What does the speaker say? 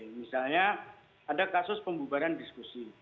misalnya ada kasus pembubaran diskusi